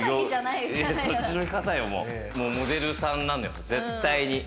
モデルさんなのよ、絶対に。